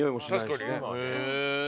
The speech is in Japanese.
確かにね。